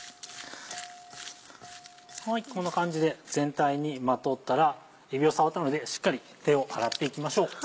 こんな感じで全体にまとったらえびを触ったのでしっかり手を洗っていきましょう。